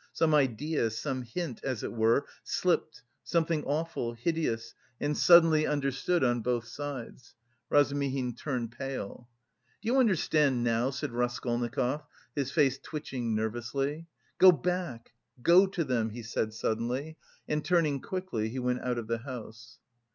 Some idea, some hint, as it were, slipped, something awful, hideous, and suddenly understood on both sides.... Razumihin turned pale. "Do you understand now?" said Raskolnikov, his face twitching nervously. "Go back, go to them," he said suddenly, and turning quickly, he went out of the house.